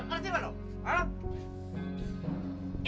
ngerti enggak lo